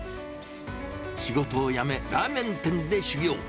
仕事を辞め、ラーメン店で修業。